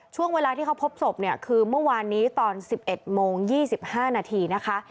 ช่วงเวลาที่เขาพบศพเนี่ยคือเมื่อวานนี้ตอน๑๑โมง๒๕นาทีนะคะ